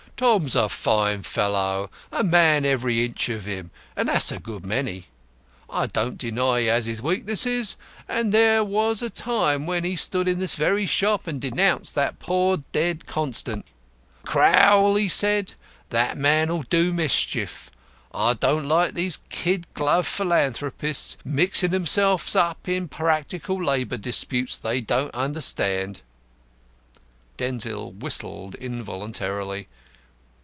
Tom's a fine fellow a man every inch of him, and that's a good many. I don't deny he has his weaknesses, and there was a time when he stood in this very shop and denounced that poor dead Constant. 'Crowl,' said he, 'that man'll do mischief. I don't like these kid glove philanthropists mixing themselves up in practical labour disputes they don't understand.'" Denzil whistled involuntarily.